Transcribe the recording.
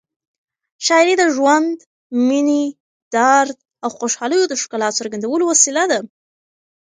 شاعري د ژوند، مینې، درد او خوشحالیو د ښکلا څرګندولو وسیله ده.